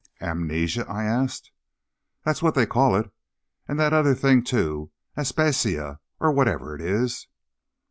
"Amnesia?" I asked. "That's what they call it, and the other thing, too. Aspasia, or whatever it is."